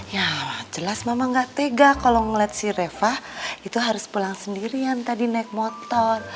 ya jelas memang nggak tega kalau ngeliat si reva itu harus pulang sendirian tadi naik motor